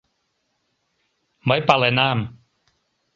Мый паленам.